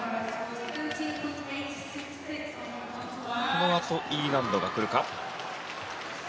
このあとＥ難度が来るか。